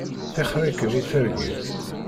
Tixeṛ-ikem i targit.